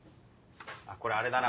これあれだな。